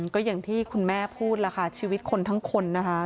ก็อย่างที่คุณแม่พูดล่ะค่ะชีวิตคนทั้งคนนะคะ